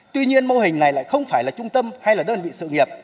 tuy nhiên mô hình này lại không phải là trung tâm hay là đơn vị sự nghiệp